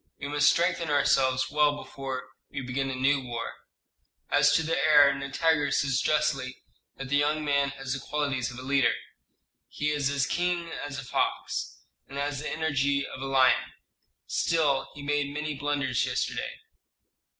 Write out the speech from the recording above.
We must strengthen ourselves well before we begin a new war. As to the heir, Nitager says justly that the young man has the qualities of a leader: he is as keen as a fox, and has the energy of a lion. Still he made many blunders yesterday."